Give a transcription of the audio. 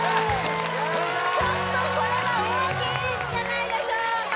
ちょっとこれは大きいんじゃないでしょうか